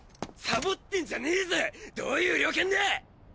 サボってんじゃねぞどういう了見だ！